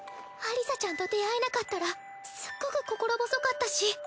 アリサちゃんと出会えなかったらすっごく心細かったし。